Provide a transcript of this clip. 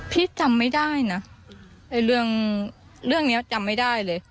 จำไม่ได้นะไอ้เรื่องเรื่องนี้จำไม่ได้เลย